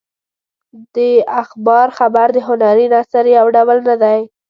د اخبار خبر د هنري نثر یو ډول نه دی.